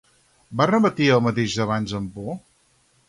Va repetir el mateix que abans amb por?